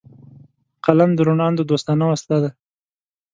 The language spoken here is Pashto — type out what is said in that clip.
قلم د روڼ اندو دوستانه وسله ده